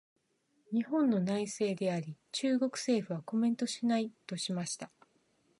「日本の内政であり、中国政府はコメントしない」としました。